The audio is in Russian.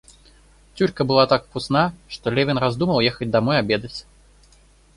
Тюрька была так вкусна, что Левин раздумал ехать домой обедать.